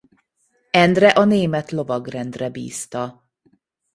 Endre a Német Lovagrendre bízta.